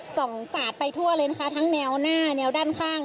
ส่องสาดไปทั่วเลยนะคะทั้งแนวหน้าแนวด้านข้าง